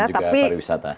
dan juga pariwisata